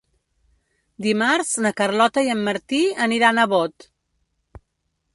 Dimarts na Carlota i en Martí aniran a Bot.